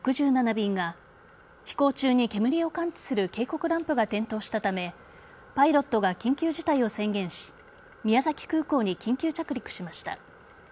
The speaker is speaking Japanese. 便が飛行中に煙を感知する警告ランプが点灯したためパイロットが緊急事態を宣言し宮崎空港に緊急着陸しました。